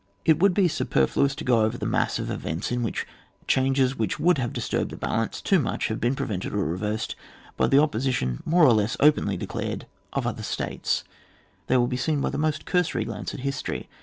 It would be superfluous to go over the mass of events in which changes which would have disturbed the balance too much have been prevented or reversed by the opposition more or less openly declared of other statea They wiU be seen by the most cursory glance at history.